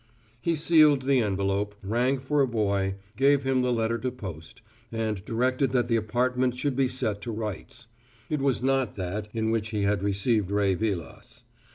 ... He sealed the envelope, rang for a boy, gave him the letter to post, and directed that the apartment should be set to rights. It was not that in which he had received Ray Vilas.